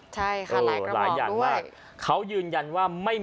พี่บ้านไม่อยู่ว่าพี่คิดดูด